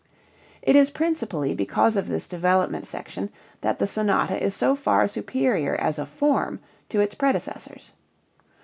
It is principally because of this development section that the sonata is so far superior as a form to its predecessors.